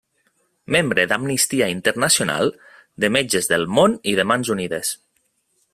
Membre d'Amnistia Internacional, de Metges del Món i de Mans Unides.